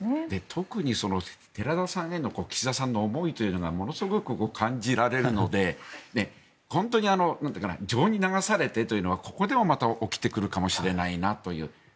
特に寺田さんへの岸田さんの思いというのがものすごく感じられるので本当に情に流されてというのはここでもまた起きてくるかもしれないなという。